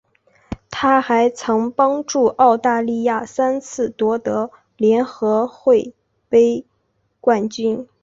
她还曾帮助澳大利亚三次夺得联合会杯冠军。